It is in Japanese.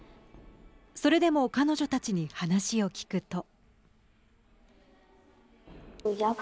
それでも彼女たちに話を聞くと。